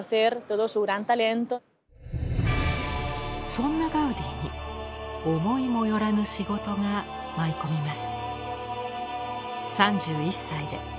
そんなガウディに思いも寄らぬ仕事が舞い込みます。